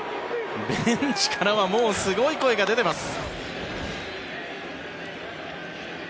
ベンチからはもうすごい声が出ています。